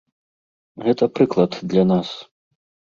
Гэта прыклад для нас.